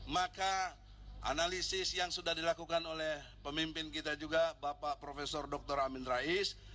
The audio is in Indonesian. maka analisis yang sudah dilakukan oleh pemimpin kita juga bapak profesor dr amin rais